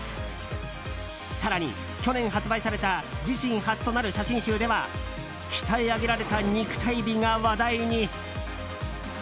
更に、去年発売された自身初となる写真集では鍛え上げられた肉体美が話題に。